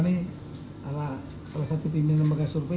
salah satu pimpinan lembaga survei